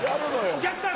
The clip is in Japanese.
お客さん。